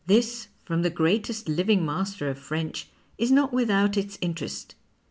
This, from the greatest living master of French, is not without its interest.